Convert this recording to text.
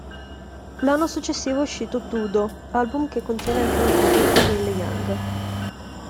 L'anno successivo è uscito "Tudo", album che contiene anche una cover di Neil Young.